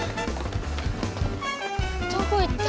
どこ行った？